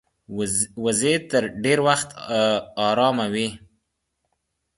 وزې ډېر وخت آرامه وي